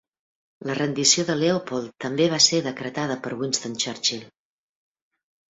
La rendició de Leopold també va ser decretada per Winston Churchill.